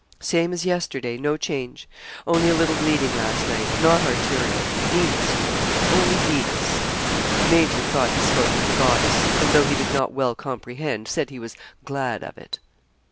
'Same as yesterday no change only a little bleeding last night not arterial; venous you know only venous.' The major thought he spoke of the goddess, and though he did not well comprehend, said he was 'glad of it.'